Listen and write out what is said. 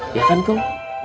iya kan kum